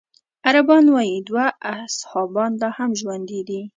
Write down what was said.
عربان وايي دوه اصحابان لا هم ژوندي دي.